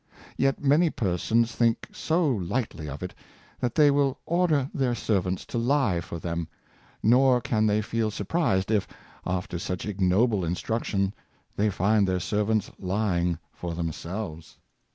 Yet many persons think so lightly of it that they will order their servants to lie for them ; nor can they feel surprised if, after such ignoble in struction, they find their servants lying for themselves.